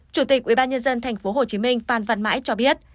chủ tịch ubnd tp hcm phan văn mãi cho biết